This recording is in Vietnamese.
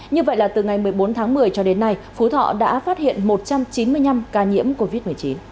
như vậy là từ ngày một mươi bốn tháng một mươi cho đến nay phú thọ đã phát hiện một trăm chín mươi năm ca nhiễm covid một mươi chín